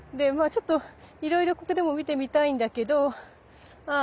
ちょっといろいろここでも見てみたいんだけどあっ！